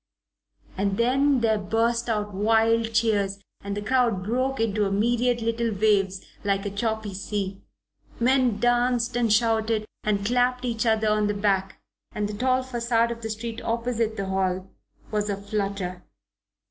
And then there burst out wild cheers and the crowd broke into a myriad little waves like a choppy sea. Men danced and shouted and clapped each other on the back, and the tall facade of the street opposite the hall was a flutter.